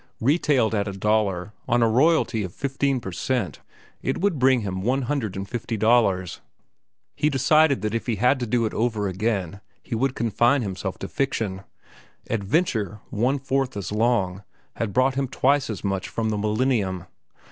Retailed at a dollar, on a royalty of fifteen per cent, it would bring him one hundred and fifty dollars. He decided that if he had it to do over again he would confine himself to fiction. "Adventure," one fourth as long, had brought him twice as much from The Millennium.